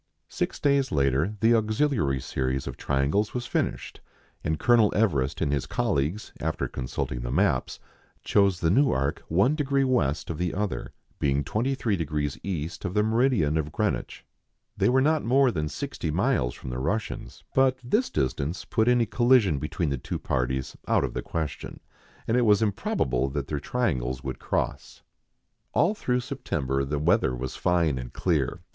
Six days later the auxiliary series of triangles was finished, and Colonel Everest and his colleagues, after consulting the maps, chose the new arc one degree west of the other, being 23° east of the meridian of Greenwich. They were not more than sixty miles from the Russians, but this distance put any collision between the two parties 138 MERIDIANA ; THE ADVENTURES OF ■■ I ■ I ■■■—■———■■——^» out of the question, as it was improbable that their triangles would cross. All through September the weather was fine and clear.